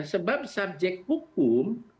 sebab subjek hukum